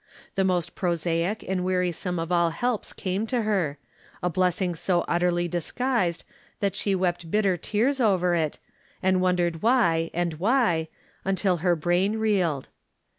The most pro saic and wearisome of all helps came to her, a blessing so utterly disguised that she wept bitter tears over it, and wondered why, and v/hy, imtil her brain reeled.